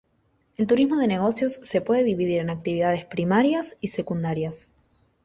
El turismo de negocios se puede dividir en actividades primarias y secundarias.